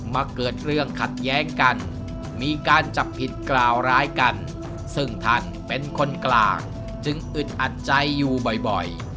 มาเกิดเรื่องขัดแย้งกันมีการจับผิดกล่าวร้ายกันซึ่งท่านเป็นคนกลางจึงอึดอัดใจอยู่บ่อย